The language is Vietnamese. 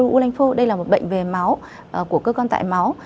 u lanh phô đây là một bệnh về máu của cơ con tại máu